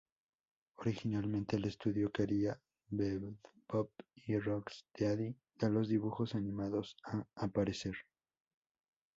Originalmente, el estudio quería Bebop y Rocksteady, de los dibujos animados, a aparecer.